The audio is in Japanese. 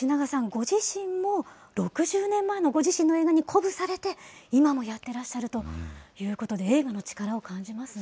ご自身も６０年前のご自身の映画に鼓舞されて、今もやってらっしゃるということで、映画の力を感じますね。